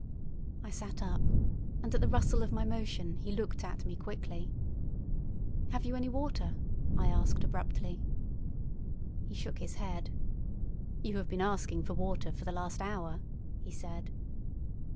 I sat up, and at the rustle of my motion he looked at me quickly. "Have you any water?" I asked abruptly. He shook his head. "You have been asking for water for the last hour," he said.